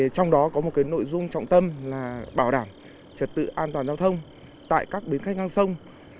trong đó có một nội dung trọng tâm là bảo đảm trật tự an toàn giao thông tại các bến khách ngang sông